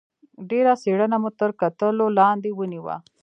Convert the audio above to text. ډېره څېړنه مو تر کتلو لاندې ونیوه.